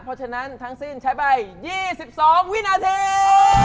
เพราะฉะนั้นทั้งสิ้นใช้ใบ๒๒วินาที